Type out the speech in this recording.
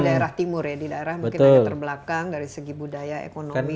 di daerah timur ya di daerah mungkin ada terbelakang dari segi budaya ekonomi